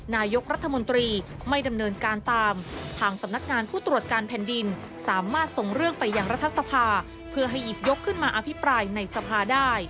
นายกรัฐมนตรีไม่ดำเนินการตามทางสำนักงานผู้ตรวจการแผ่นดินสามารถส่งเรื่องไปอย่างรัฐสภา